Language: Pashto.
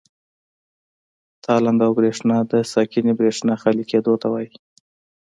تالنده او برېښنا د ساکنې برېښنا خالي کېدو ته وایي.